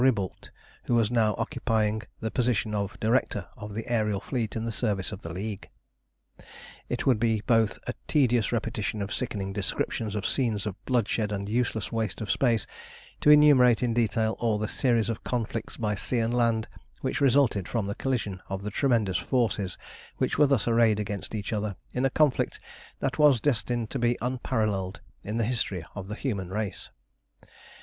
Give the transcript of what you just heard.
Riboult, who was now occupying the position of Director of the aërial fleet in the service of the League. It would be both a tedious repetition of sickening descriptions of scenes of bloodshed and a useless waste of space, to enumerate in detail all the series of conflicts by sea and land which resulted from the collision of the tremendous forces which were thus arrayed against each other in a conflict that was destined to be unparalleled in the history of the human race.